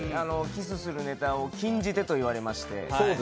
キスするネタを禁じ手と言われまして。